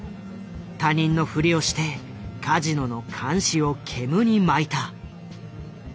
他人のふりをしてカジノの監視をけむに巻いた。